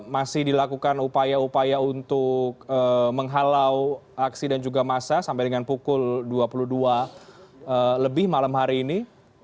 masih dilakukan upaya upaya untuk menghalau aksi dan juga massa sampai dengan pukul dua puluh dua lebih malam hari ini